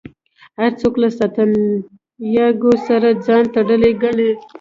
هر څوک له سانتیاګو سره ځان تړلی ګڼي.